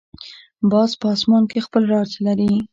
باز په آسمان کې خپل راج لري